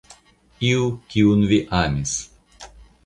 Iu, kiun vi amis.